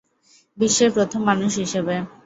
বিশ্বের প্রথম মানুষ হিসেবে।